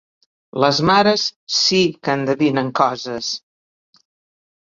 Les mares sí, que endevinen coses!